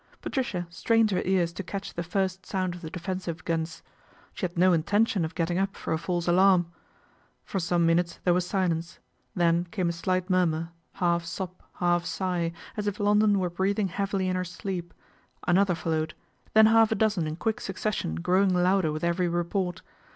Patricia strained her ears to catch the firsl sound of the defensive guns. She had no inten tion of getting up for a false alarm. For som( minutes there was silence, then came a slight mur mur, half sob, half sigh, as if London were breath ing heavily in her sleep, another followed, thei half a dozen in quick succession growing loude: with every report.